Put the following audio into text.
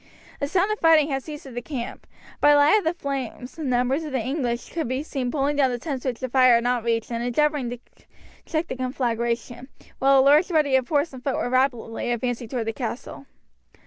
The sound of fighting had ceased at the camp. By the light of the flames numbers of the English could be seen pulling down the tents which the fire had not yet reached and endeavouring to check the conflagration, while a large body of horse and foot were rapidly advancing toward the castle.